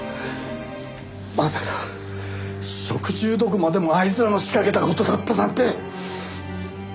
まさか食中毒までもあいつらの仕掛けた事だったなんて！